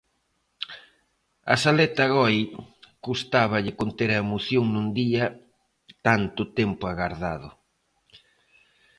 A Saleta Goi custáballe conter a emoción nun día tanto tempo agardado.